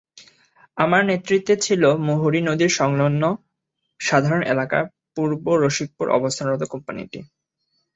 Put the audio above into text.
আমার নেতৃত্বে ছিল মুহুরী নদীর সংলগ্ন সাধারণ এলাকা পূর্ব রশিকপুরে অবস্থানরত কোম্পানিটি।